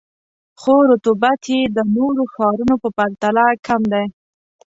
خو رطوبت یې د نورو ښارونو په پرتله کم دی.